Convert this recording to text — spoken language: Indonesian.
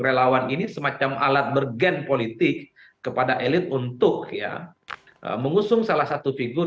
relawan ini semacam alat bergen politik kepada elit untuk ya mengusung salah satu figur